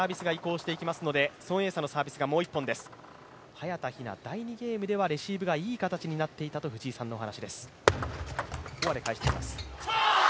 早田ひな、第２ゲームではレシーブがいい形になっていたという藤井さんのお話です。